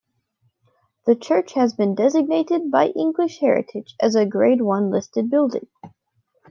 The church has been designated by English Heritage as a Grade One listed building.